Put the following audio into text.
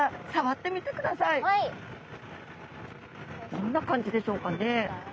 どんな感じでしょうかね？